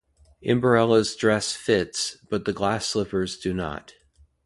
Emberella's dress fits, but the glass slippers do not.